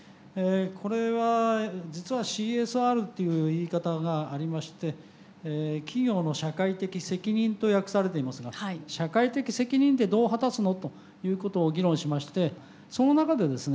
これは実はＣＳＲっていう言い方がありまして「企業の社会的責任」と訳されていますが社会的責任ってどう果たすのということを議論しましてその中でですね